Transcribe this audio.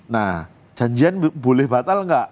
nah janjian boleh batal nggak